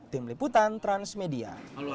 tim liputan transmedia